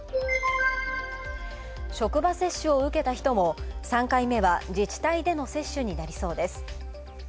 職場接種を受けた人も、３回目は自治体での接種になりそうです。